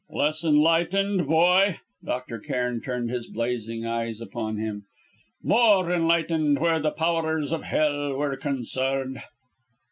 "Less enlightened, boy!" Dr. Cairn turned his blazing eyes upon him. "More enlightened where the powers of hell were concerned!"